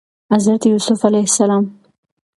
حضرت يوسف ع